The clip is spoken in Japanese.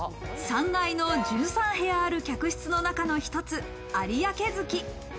３階の１３部屋ある客室の中の一つ、有明月。